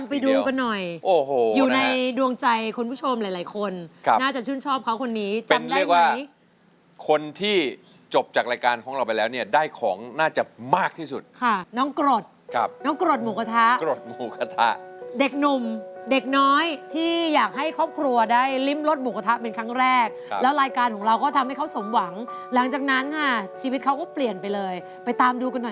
ไปดูกันหน่อยโอ้โหอยู่ในดวงใจคุณผู้ชมหลายหลายคนน่าจะชื่นชอบเขาคนนี้จำได้ไหมคนที่จบจากรายการของเราไปแล้วเนี่ยได้ของน่าจะมากที่สุดค่ะน้องกรดครับน้องกรดหมูกระทะกรดหมูกระทะเด็กหนุ่มเด็กน้อยที่อยากให้ครอบครัวได้ริมรสหมูกระทะเป็นครั้งแรกแล้วรายการของเราก็ทำให้เขาสมหวังหลังจากนั้นค่ะชีวิตเขาก็เปลี่ยนไปเลยไปตามดูกันหน่อย